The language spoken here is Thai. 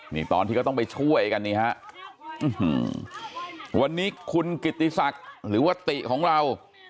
นี่ตอนที่เขาต้องไปช่วยกันนี่ฮะวันนี้คุณกิติศักดิ์หรือว่าติของเรา